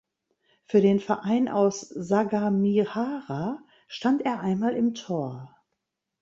Für den Verein aus Sagamihara stand er einmal im Tor.